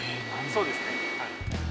そうですねはい。